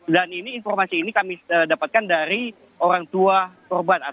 dan informasi ini kami dapatkan dari orang tua korban